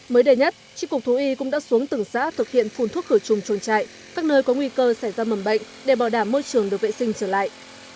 mới đây nhất trí cục thú y cũng đã xuống từng xã thực hiện phun thuốc khử trùng chuồng trại các nơi có nguy cơ xảy ra mầm bệnh để bảo đảm môi trường được vệ sinh trở lại